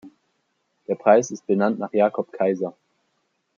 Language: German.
Der Preis ist benannt nach Jakob Kaiser.